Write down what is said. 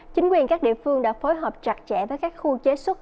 chính quyền các địa phương đã phối hợp chặt chẽ với các khu chế xuất